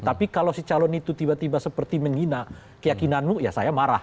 tapi kalau si calon itu tiba tiba seperti menghina keyakinanmu ya saya marah